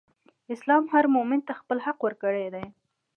اسلام هر مؤمن ته خپل حق ورکړی دئ.